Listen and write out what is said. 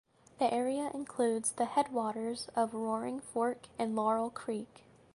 The area includes the headwaters of Roaring Fork and Laurel Creek.